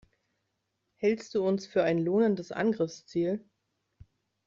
Hältst du uns für ein lohnendes Angriffsziel?